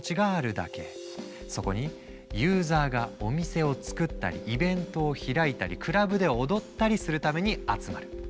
そこにユーザーがお店を作ったりイベントを開いたりクラブで踊ったりするために集まる。